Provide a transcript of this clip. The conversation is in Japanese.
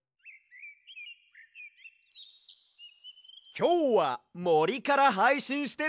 きょうはもりからはいしんしてるＹＯ！